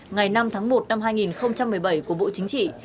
ngày năm tháng một năm hai nghìn một mươi bảy của bộ chính trị